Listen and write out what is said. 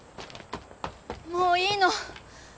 もういいの。